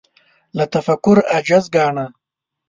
له تفکر عاجز ګاڼه